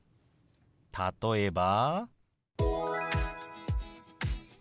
例えば。